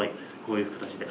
こういう形で。